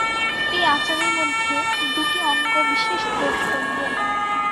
এই আচারের মধ্যে দুটি অঙ্গ বিশেষ দ্রষ্টব্য।